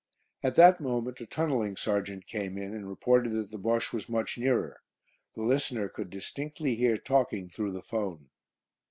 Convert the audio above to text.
At that moment a tunnelling sergeant came in, and reported that the Bosche was much nearer. The listener could distinctly hear talking through the 'phone.